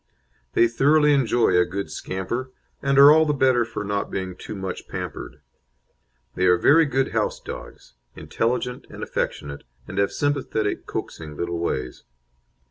They thoroughly enjoy a good scamper, and are all the better for not being too much pampered. They are very good house dogs, intelligent and affectionate, and have sympathetic, coaxing little ways.